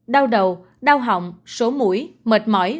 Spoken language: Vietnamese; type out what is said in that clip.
đau đầu đau hỏng số mũi mệt mỏi